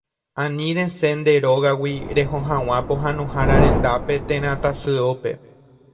Ani resẽ nde rógagui reho hag̃ua pohãnohára rendápe térã tasyópe.